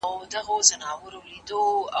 ځكه مور و پلار ژوندي وه